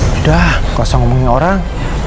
udah gak usah ngomongin orang